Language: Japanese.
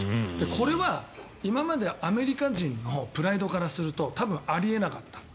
これは今までアメリカ人のプライドからすると多分あり得なかった。